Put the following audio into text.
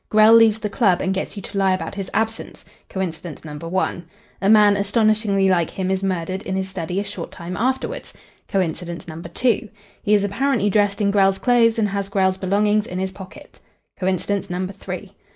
Grell leaves the club and gets you to lie about his absence. Coincidence number one. A man astonishingly like him is murdered in his study a short time afterwards. Coincidence number two. He is apparently dressed in Grell's clothes and has Grell's belongings in his pockets. Coincidence number three.